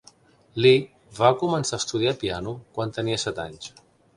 Li va començar a estudiar piano quan tenia set anys.